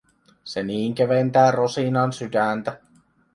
Se niin keventää Rosinan sydäntä.